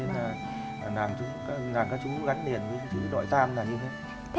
nên là làng các chú gắn liền với chữ đoại tam là như thế